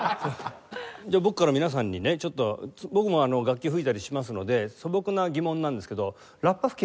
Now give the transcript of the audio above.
じゃあ僕から皆さんにねちょっと僕も楽器吹いたりしますので素朴な疑問なんですけどラッパ